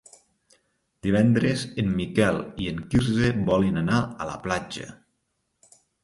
Divendres en Miquel i en Quirze volen anar a la platja.